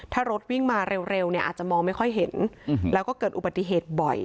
ถ้ารถวิ่งมาเร็วเนี่ยอาจจะมองไม่ค่อยเห็นแล้วก็เกิดอุบัติเหตุบ่อย